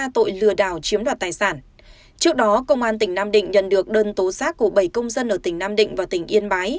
trước đó công an tỉnh nam định nhận được đơn tố giác của bảy công dân ở tỉnh nam định và tỉnh yên bái